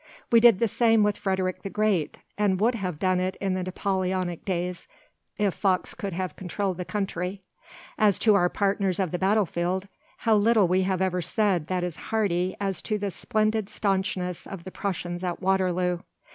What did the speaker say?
We did the same with Frederick the Great, and would have done it in the Napoleonic days if Fox could have controlled the country. And as to our partners of the battlefield, how little we have ever said that is hearty as to the splendid staunchness of the Prussians at Waterloo.